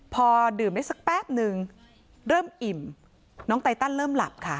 พอดื่มได้สักแป๊บนึงเริ่มอิ่มน้องไตตันเริ่มหลับค่ะ